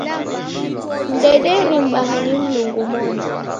Mdederii mbaha ni Mlungu moni.